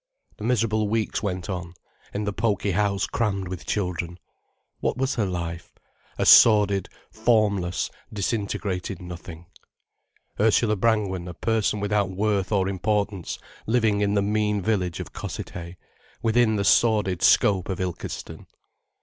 The miserable weeks went on, in the poky house crammed with children. What was her life—a sordid, formless, disintegrated nothing; Ursula Brangwen a person without worth or importance, living in the mean village of Cossethay, within the sordid scope of Ilkeston.